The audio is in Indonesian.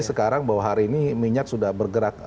sekarang bahwa hari ini minyak sudah bergerak